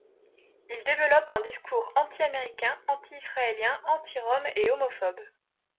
Il développe un discours antiaméricain, anti-israélien, anti-Rom et homophobe.